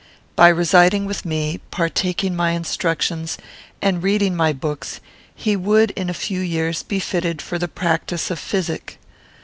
By residing with me, partaking my instructions, and reading my books, he would, in a few years, be fitted for the practice of physic.